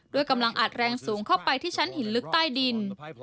กำลังอัดแรงสูงเข้าไปที่ชั้นหินลึกใต้ดิน